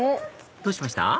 どうしました？